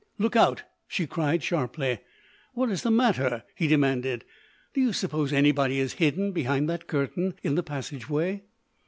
"Look out!" she cried sharply. "What is the matter?" he demanded. "Do you suppose anybody is hidden behind that curtain in the passageway?"